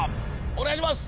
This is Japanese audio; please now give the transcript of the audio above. お願いします！